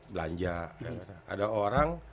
belanja ada orang